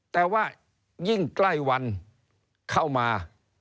แต่ว่ายิ่งใกล้วันเข้ามา